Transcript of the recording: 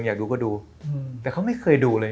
อยากดูก็ดูแต่เขาไม่เคยดูเลย